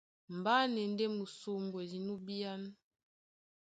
Mbá na e ndé musombwedi nú bíán.